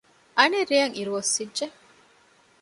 އަނެއް ރެއަށް އިރު އޮއްސިއް ޖެ